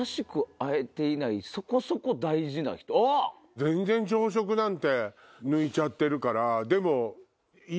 全然朝食なんて抜いちゃってるから。